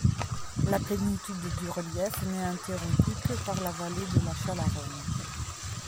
La planitude du relief n'est interrompue que par la vallée de la Chalaronne.